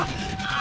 あ！